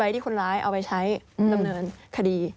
ผู้หญิงเอาไปใช้รำเนินคดี